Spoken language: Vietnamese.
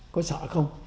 có sợ không